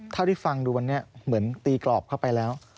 เท่าที่ฟังดูวันนี้เหมือนตีกรอบเข้าไปแล้ว